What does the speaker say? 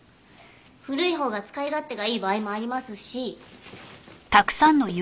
古いほうが使い勝手がいい場合もありますし。